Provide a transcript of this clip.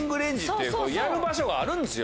やる場所があるんですよ